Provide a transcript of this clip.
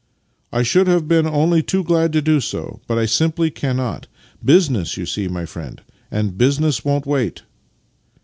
" I should have been only too glad to do so, but I simply cannot. Business, you see, my friend — and business won't wait."